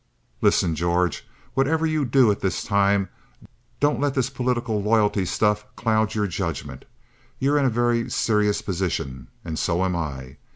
"Listen, George. Whatever you do at this time, don't let this political loyalty stuff cloud your judgment. You're in a very serious position and so am I.